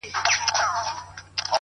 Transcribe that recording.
د سېلیو هیبتناکه آوازونه-